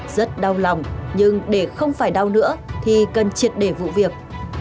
rất đau lòng nhưng để không phải đau nữa thì cần triệt để vụ việc